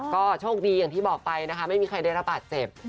ก็โชคดีอย่างที่บอกไปนะคะไม่มีใครได้รับบาดเจ็บ